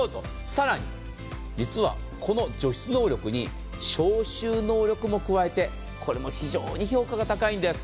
更に、この除湿能力に消臭能力も加えて、これも非常に評価が高いんです。